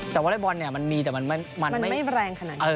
แต่วัลเล่บอลมันมีแต่มันไม่แรงขนาดนี้